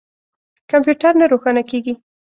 کمپیوټر نه روښانه کیږي